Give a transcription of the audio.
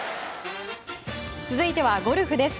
続いてはゴルフです。